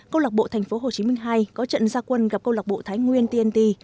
câu lạc bộ tp hcm hai có trận gia quân gặp câu lạc bộ thái nguyên tnt